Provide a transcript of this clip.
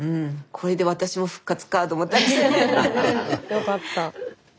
よかった。